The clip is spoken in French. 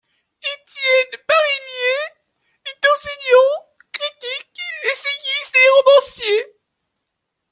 Étienne Barillier est enseignant, critique, essayiste et romancier.